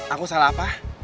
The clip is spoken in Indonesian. aku salah apa